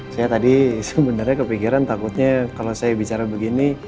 saya tadi sebenarnya kepikiran takutnya kalau saya bicara begini